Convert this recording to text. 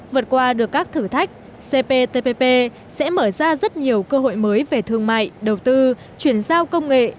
vượt qua được các thử thách cptpp sẽ mở ra rất nhiều cơ hội mới về thương mại đầu tư chuyển giao công nghệ